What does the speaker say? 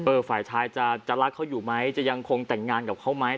ฝ่ายชายจะรักเขาอยู่ไหมจะยังคงแต่งงานกับเขาไหม